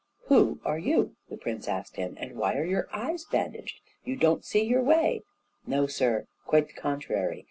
"Who are you?" the prince asked him, "and why are your eyes bandaged? You don't see your way!" "No, sir, quite the contrary!